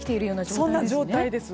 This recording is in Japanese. そんな状態です。